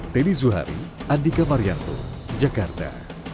teddy zuhari andika marianto jakarta